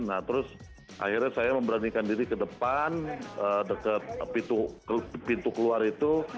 nah terus akhirnya saya memberanikan diri ke depan dekat pintu keluar itu